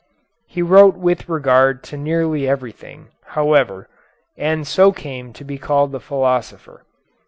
He wrote with regard to nearly everything, however, and so came to be called the philosopher.